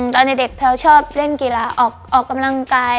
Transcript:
ตอนเด็กแพลวชอบเล่นกีฬาออกกำลังกาย